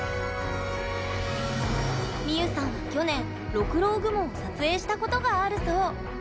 みゆさんは去年六郎雲を撮影したことがあるそう。